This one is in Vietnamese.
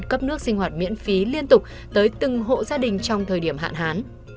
cấp nước sinh hoạt miễn phí liên tục tới từng hộ gia đình trong thời điểm hạn hán